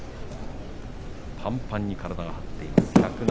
ぱんぱんに体が張っています。